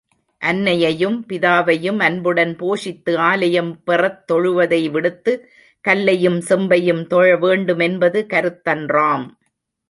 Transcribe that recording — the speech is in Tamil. அன்னையையும் பிதாவையும் அன்புடன் போஷித்து ஆலயம் பெறத்தொழுவதை விடுத்து, கல்லையும் செம்பையும் தொழ வேண்டுமென்பது கருத்தன்றாம்.